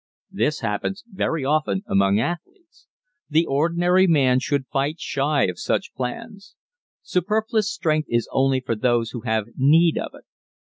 This happens very often among athletes. The ordinary man should fight shy of such plans. Superfluous strength is only for those who have need of it.